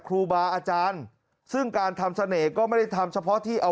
ครูบาอาจารย์ซึ่งการทำเสน่ห์ก็ไม่ได้ทำเฉพาะที่เอา